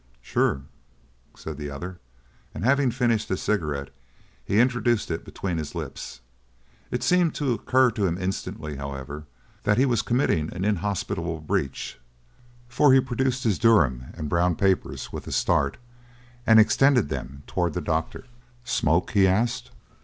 "Sure," said the other, and having finished his cigarette he introduced it between his lips. It seemed to occur to him instantly, however, that he was committing an inhospitable breach, for he produced his Durham and brown papers with a start and extended them towards the doctor. "Smoke?" he asked.